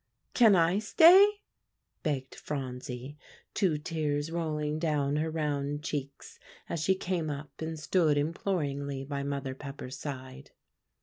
"Can I stay?" begged Phronsie, two tears rolling down her round cheeks, as she came up and stood imploringly by Mother Pepper's side.